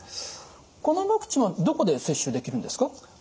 このワクチンはどこで接種できるんですか？